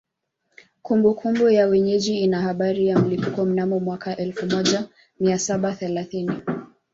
Kumbukumbu ya wenyeji ina habari ya mlipuko mnamo mwaka elfu moja mia saba thelathini